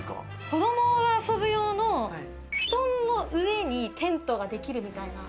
子供が遊ぶ用の布団の上にテントができるみたいな。